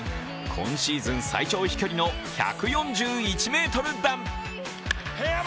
今シーズン最長飛距離の１４１ｍ弾。